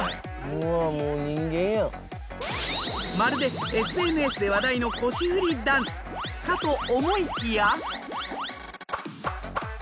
うわもうまるでＳＮＳで話題の腰フリダンスかと思いきや。